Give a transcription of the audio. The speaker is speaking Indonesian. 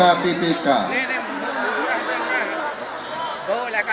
atau di ppk ppk